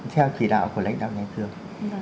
theo chỉ đạo của lãnh đạo nhà trường